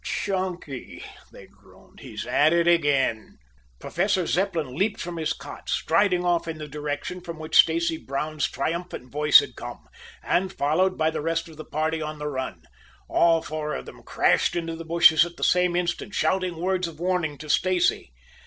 "Chunky!" they groaned. "He's at it again!" Professor Zepplin leaped from his cot, striding off in the direction from which Stacy Brown's triumphant voice had come, and followed by the rest of the party on the run. All four of them crashed into the bushes at the same instant, shouting words of warning to Stacy.